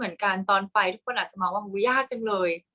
ทุกคนอาจจะมองว่ามันยากจังเลย